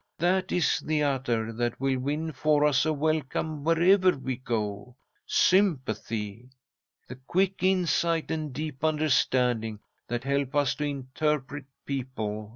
That is the attar that will win for us a welcome wherever we go, sympathy. The quick insight and deep understanding that help us to interpret people.